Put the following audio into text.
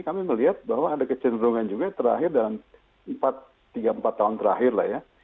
kami melihat bahwa ada kecenderungan juga terakhir dalam tiga empat tahun terakhir lah ya